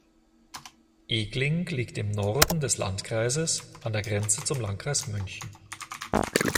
Egling liegt im Norden des Landkreises, an der Grenze zum Landkreis München.